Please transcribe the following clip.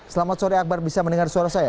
selamat sore akbar bisa mendengar suara saya